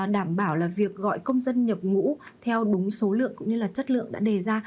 đảm bảo là việc gọi công dân nhập ngũ theo đúng số lượng cũng như là chất lượng đã đề ra